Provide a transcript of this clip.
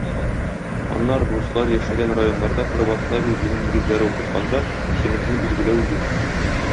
Аннары руслар яшәгән районнарда православие дине нигезләре укытканда, сыйныфны бүлгәләү юк.